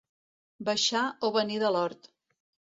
Baixar o venir de l'hort.